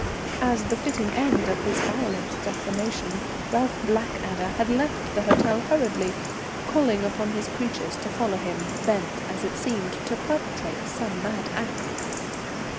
As the fitting end of his violent declamation, Ralph Blackadder had left the hotel hurriedly, calling upon his creatures to follow him, bent, as it seemed, to perpetrate some mad act.